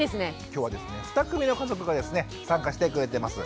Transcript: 今日はですね２組の家族がですね参加してくれてます。